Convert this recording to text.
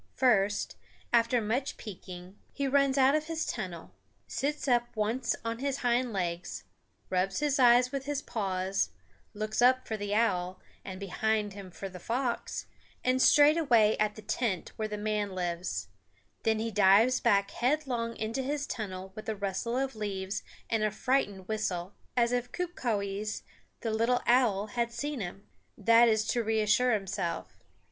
First, after much peeking, he runs out of his tunnel; sits up once on his hind legs; rubs his eyes with his paws; looks up for the owl, and behind him for the fox, and straight ahead at the tent where the man lives; then he dives back headlong into his tunnel with a rustle of leaves and a frightened whistle, as if Kupkawis the little owl had seen him. That is to reassure himself.